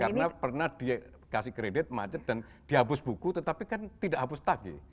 karena pernah dikasih kredit macet dan dihabis buku tetapi kan tidak habis lagi